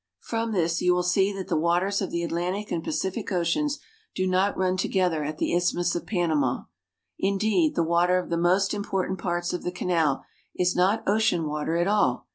From this you will see that the waters of the Atlantic and Pacific Oceans do not run together at the Isthmus of Panama. Indeed, the water of the most important parts of the canal is not ocean water at all.